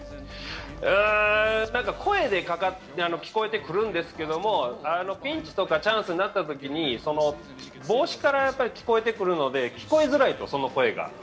うーん、声で聞こえてくるんですけどピンチとかチャンスになったときに帽子から聞こえてくるので、聞こえづらいと、その声が。